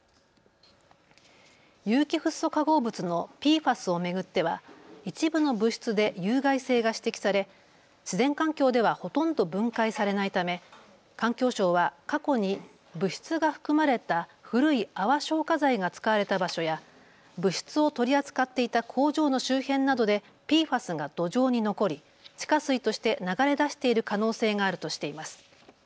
有機フッ素化合物のＰＦＡＳを巡っては一部の物質で有害性が指摘され自然環境ではほとんど分解されないため環境省は過去に物質が含まれた古い泡消火剤が使われた場所や物質を取り扱っていた工場の周辺などでＰＦＡＳが土壌に残り地下水として流れ出している可能性があるとしています。